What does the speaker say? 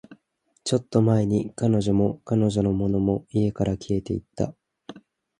ちょっと前に、彼女も、彼女のものも、家から消えていった